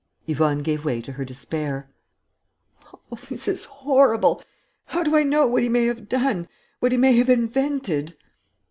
Yvonne gave way to her despair: "Oh, this is horrible!... How do I know what he may have done, what he may have invented?"